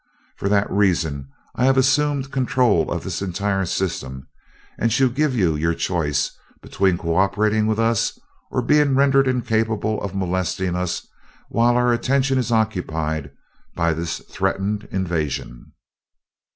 For that reason I have assumed control of this entire system, and shall give you your choice between co operating with us or being rendered incapable of molesting us while our attention is occupied by this threatened invasion."